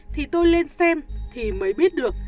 thì tôi lên xem thì mới biết được